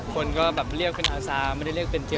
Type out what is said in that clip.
คนก็เรียกเขาเป็นเขา